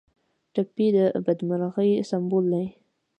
ټپي د بدمرغۍ سمبول دی.